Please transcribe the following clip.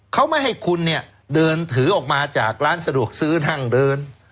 เขาไม่ให้คุณเนี่ยเดินถือออกมาจากร้านสะดวกซื้อนั่งเดิน